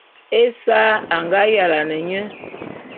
Esa a nga yalane nye.